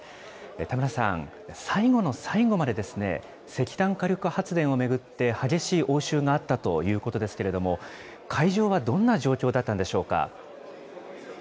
田村さん、最後の最後まで石炭火力発電を巡って激しい応酬があったということですけれども、会場はどんな状況だったんでしょうか。